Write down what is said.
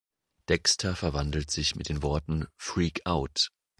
Dexter verwandelt sich mit den Worten "Freak out!